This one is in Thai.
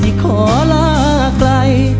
อ้ายสิขอลาใกล้